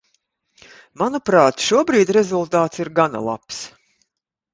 Manuprāt, šobrīd rezultāts ir gana labs.